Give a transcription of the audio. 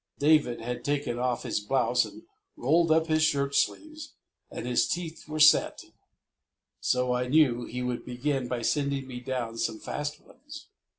David had taken off his blouse and rolled up his shirt sleeves, and his teeth were set, so I knew he would begin by sending me down some fast ones.